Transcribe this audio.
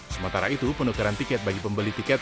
sementara itu penukaran tiket bagi pembeli tiket